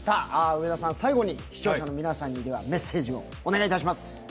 上田さん、最後に視聴者の皆さんにメッセージをお願いします。